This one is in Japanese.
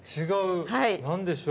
何でしょう？